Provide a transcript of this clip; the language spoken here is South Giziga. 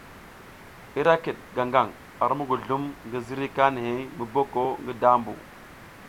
Ira kiɗ gaŋ gang ar muguzlum ngi ziriy kanihey mu boko ngi dambu.